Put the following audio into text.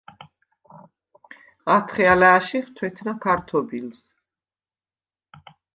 ათხე ალა̄̈შიხ თუ̂ეთნა ქართობილს.